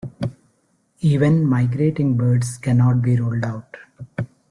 Even migrating birds cannot be ruled out.